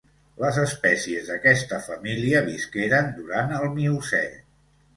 Les espècies d'aquesta família visqueren durant el Miocè.